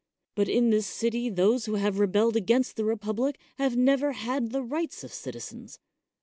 But in this city those who have rebelled against the republic have never had the rights of citizens.